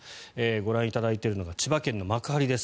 ご覧いただいているのが千葉県の幕張です。